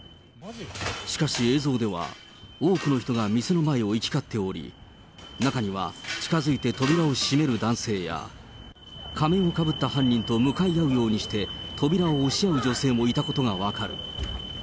しかし映像では、多くの人が店の前を行き交っており、中には近づいて扉を閉める男性や、仮面をかぶった犯人と向かい合うようにして、扉を押し合う女性がいたことも分かる。